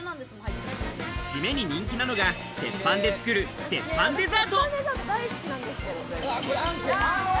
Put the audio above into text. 締めに人気なのが鉄板デザート作る、鉄板デザート。